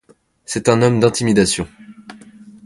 C’est un homme d’intimidation.